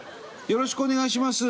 よろしくお願いします。